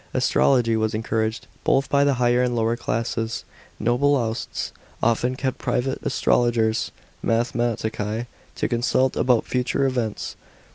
Astrology was encouraged, both by the higher and lower classes. Noble houst s often kept private astrologers (mathematici) to consult about future events.